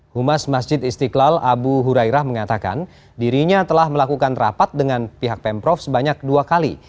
humas masjid istiqlal abu hurairah mengatakan dirinya telah melakukan rapat dengan pihak pemprov sebanyak dua kali